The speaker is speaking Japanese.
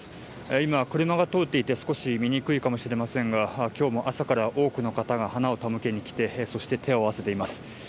今、車が通っていて少し見にくいかもしれませんが、きょうも朝から多くの方が花を手向けに来て、そして手を合わせています。